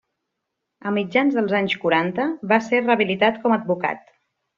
A mitjans dels anys quaranta va ser rehabilitat com a advocat.